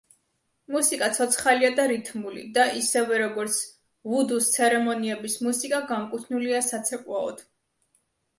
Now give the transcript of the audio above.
მუსიკა ცოცხალია და რითმული და, ისევე როგორც ვუდუს ცერემონიების მუსიკა, განკუთვნილია საცეკვაოდ.